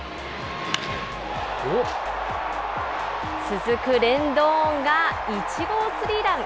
続くレンドーンが１号スリーラン。